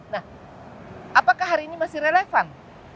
nah apakah hari ini masih relevan